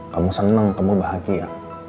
kamu seneng kamu bahagia